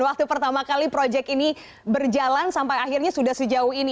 waktu pertama kali proyek ini berjalan sampai akhirnya sudah sejauh ini